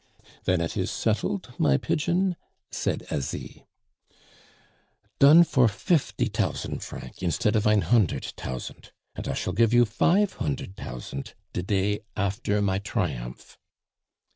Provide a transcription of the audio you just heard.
"Then it is settled, my pigeon?" said Asie. "Done for fifty tousant franc insteat of ein hundert tousant! An' I shall give you fife hundert tousant de day after my triumph."